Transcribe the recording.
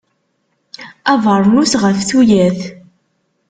Abernus ɣef tuyat.